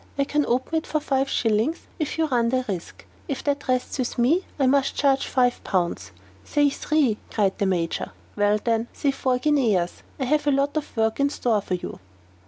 "I can open it for five shillings, if you run the risk; if that rests with me, I must charge five pounds." "Say three," cried the Major. "Well, then, say four guineas: I have a lot of work in store for you."